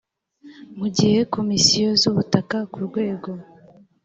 mu gihe komisiyo z ubutaka ku rwego